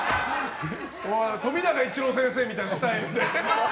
富永一朗先生みたいなスタイルね。